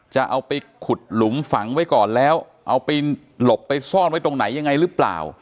จะเอาไปขุดหลุมฝังไว้ก่อนแล้วเอาไปหลบไปซ่อนไว้ตรงไหนยังไงหรือเปล่า